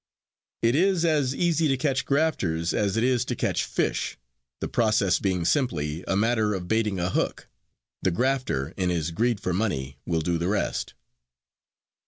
It is as easy to catch grafters as it is to catch fish, the process being simply a matter of baiting a hook; the grafter, in his greed for money, will do the rest.